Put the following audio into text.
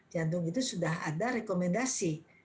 jantung itu sudah ada rekomendasi